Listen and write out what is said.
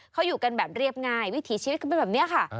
เขาอยู่กันแบบเรียบง่ายวิถีชีวิตก็เป็นแบบนี้ค่ะ